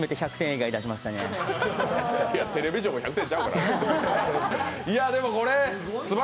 「ザ・テレビジョン」も１００点ちゃうから！